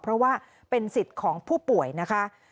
เพราะว่าเป็นสิทธิ์ของผู้ป่วยนะคะ